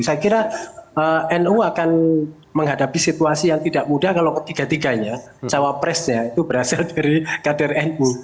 saya kira nu akan menghadapi situasi yang tidak mudah kalau ketiga tiganya cawapresnya itu berasal dari kader nu